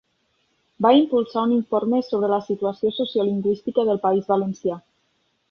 Va impulsar un informe sobre la situació sociolingüística del País Valencià.